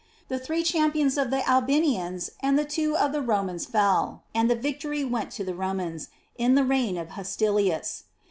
The three champions of the Albanians and two of the Romans fell, and the victory went to the Romans, in the reign of Hostilius.